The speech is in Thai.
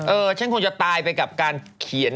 ฉันคงจะตายไปกับการเขียน